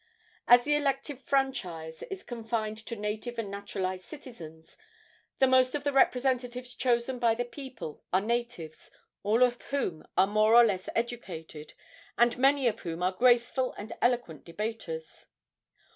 As the elective franchise is confined to native and naturalized citizens, the most of the representatives chosen by the people are natives, all of whom are more or less educated, and many of whom are graceful and eloquent debaters.